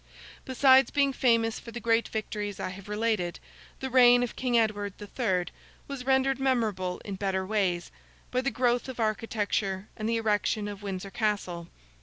Besides being famous for the great victories I have related, the reign of King Edward the Third was rendered memorable in better ways, by the growth of architecture and the erection of Windsor Castle.